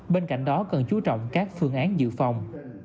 bên cạnh đó cần chú trọng các phương án dự phòng